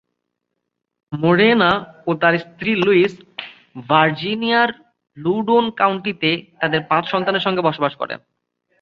Moreno ও তার স্ত্রী লুইস, ভার্জিনিয়ার লুডৌন কাউন্টিতে তাদের পাঁচ সন্তানের সঙ্গে বসবাস করেন।